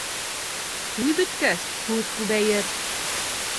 Туй бөткәс, һүҙ күбәйер.